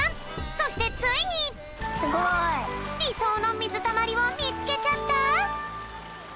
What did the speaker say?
そしてついにりそうのみずたまりをみつけちゃった？